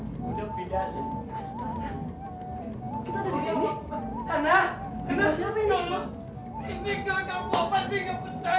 udah pindah aja